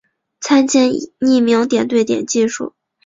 参见匿名点对点技术。